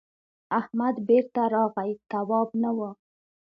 احمد بېرته راغی تواب نه و.